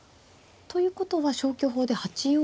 ということは消去法で８四玉。